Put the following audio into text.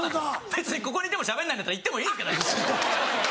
別にここにいてもしゃべんないんだったら行ってもいいんですけど。